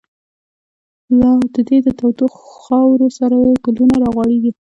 لاددی دتودوخاورو، سره ګلونه راغوړیږی